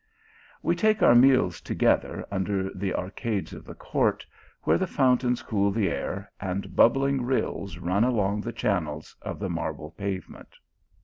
We take our meals together under the arcades of the court, where the fountains cool the air, and bub bling rills run along the channels of the marble pavement.